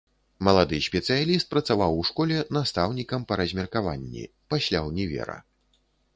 Малады спецыяліст працаваў у школе настаўнікам па размеркаванні, пасля ўнівера.